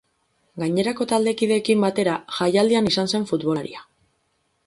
Gainerako taldekideekin batera, jaialdian izan zen futbolaria.